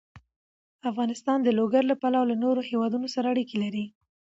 افغانستان د لوگر له پلوه له نورو هېوادونو سره اړیکې لري.